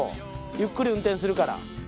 ゆっくり運転するから。